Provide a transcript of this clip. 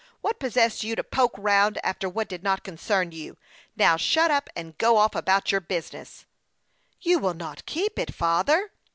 What possessed you to poke round after what did not concern you ? Now, shut up, and go off about your business." " You will not keep it, father